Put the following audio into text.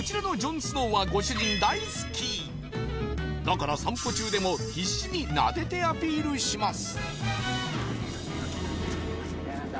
んすのーはご主人大好きだから散歩中でも必死になでてアピールします